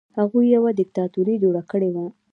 هغوی یوه دیکتاتوري جوړه کړې وه.